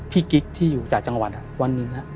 กิ๊กที่อยู่จากจังหวัดวันหนึ่ง